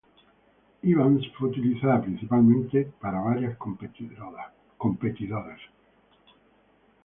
Evans fue utilizada principalmente como para varias competidoras.